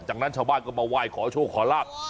จากนั้นชาวบ้านก็มาไหว้ขอโชคขอลาบ